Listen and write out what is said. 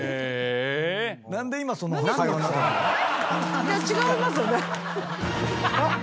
「いや違いますよね」